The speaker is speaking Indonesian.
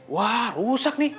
wah rusak nih